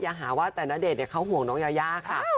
อย่าหาว่าแต่ณเดชน์เขาห่วงน้องยายาค่ะ